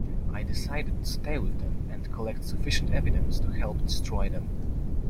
I decided to stay with them and collect sufficient evidence to help destroy them.